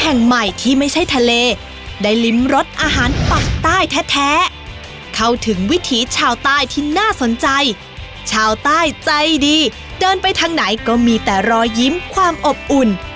แห่งใหม่ที่ไม่ใช่ทะเลได้ริมรสอาหารปักใต้แท้เข้าถึงวิถีชาวใต้ที่น่าสนใจชาวใต้ใจดีเดินไปทางไหนก็มีแต่รอยยิ้มความอบอุ่น